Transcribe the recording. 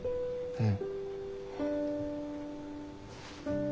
うん。